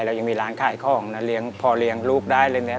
เรายังมีร้านขายของนะเลี้ยงพอเลี้ยงลูกได้เลยเนี่ย